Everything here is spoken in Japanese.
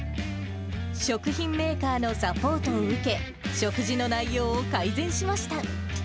食品メーカーのサポートを受け、食事の内容を改善しました。